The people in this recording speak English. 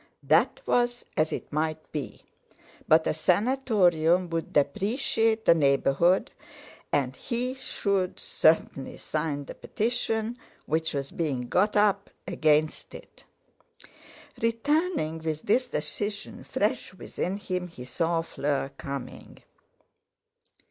That was as it might be, but a Sanatorium would depreciate the neighbourhood, and he should certainly sign the petition which was being got up against it. Returning with this decision fresh within him, he saw Fleur coming.